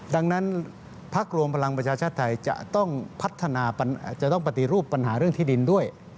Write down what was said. ดังนั้นพักรวมพลังประชาชนชาติไทยจะต้องปฏิรูปปัญหาเรื่องที่ดินด้วย